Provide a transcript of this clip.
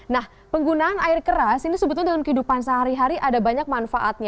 nah penggunaan air keras ini sebetulnya dalam kehidupan sehari hari ada banyak manfaatnya